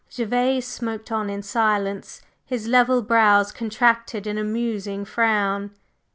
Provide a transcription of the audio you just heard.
Gervase smoked on in silence, his level brows contracted in a musing frown.